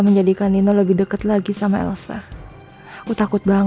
mencarin disana aman